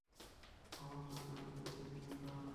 ক্ষমতা যার, পুরো দুনিয়া তার।